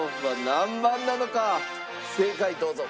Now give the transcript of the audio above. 正解どうぞ。